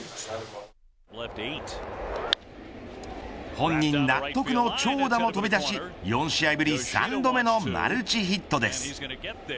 本人納得の長打も飛び出し４試合ぶり３度目のマルチヒットです。